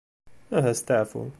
Aha steɛfu.